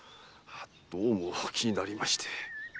どうも気になりまして。